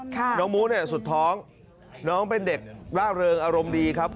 น้องมู้เนี่ยสุดท้องน้องเป็นเด็กร่าเริงอารมณ์ดีครับ